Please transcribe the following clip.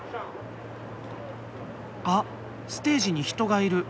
あっステージに人がいる。